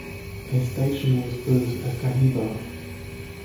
A station was built at Kahibah.